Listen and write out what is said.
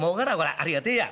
ありがてえや」。